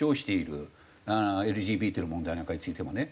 ＬＧＢＴの問題なんかについてもね。